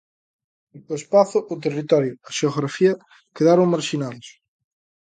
O espazo, o territorio, a xeografía, quedaron marxinados.